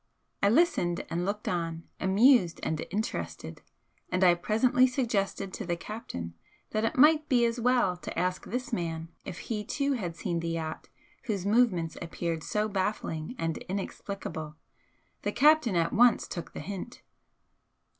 I listened and looked on, amused and interested, and I presently suggested to the captain that it might be as well to ask this man if he too had seen the yacht whose movements appeared so baffling and inexplicable. The captain at once took the hint.